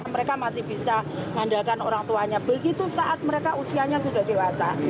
mereka masih bisa mengandalkan orang tuanya begitu saat mereka usianya sudah dewasa